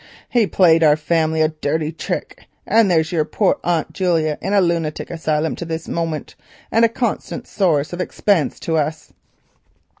He played our family a dirty trick, and there's your poor Aunt Julia in a lunatic asylum to this moment and a constant source of expense to us."